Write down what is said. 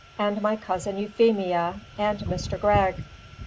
and my cousin Euphemia! and Mr. Gregg!"